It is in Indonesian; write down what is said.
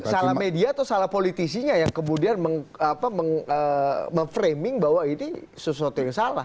salah media atau salah politisinya yang kemudian memframing bahwa ini sesuatu yang salah